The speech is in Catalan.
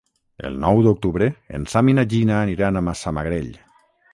El nou d'octubre en Sam i na Gina aniran a Massamagrell.